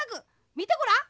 みてごらん。